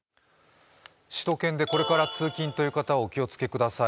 首都圏でこれから通勤という方、お気を付けください。